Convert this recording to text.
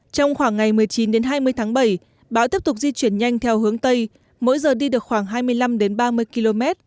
trong khoảng ngày một mươi chín hai mươi tháng bảy bão tiếp tục di chuyển nhanh theo hướng tây mỗi giờ đi được khoảng hai mươi năm ba mươi km